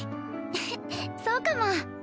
フフッそうかも。